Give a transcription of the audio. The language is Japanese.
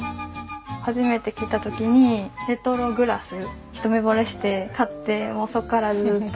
初めて来た時にレトログラス一目惚れして買ってそこからずっと。